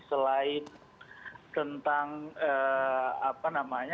selain tentang ketakutan tentang kesehatan masyarakat ya misalnya